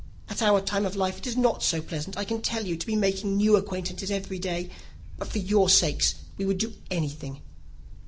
At our time of life, it is not so pleasant, I can tell you, to be making new acquaintances every day; but for your sakes we would do anything.